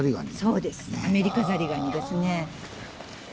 そうですアメリカザリガニですね。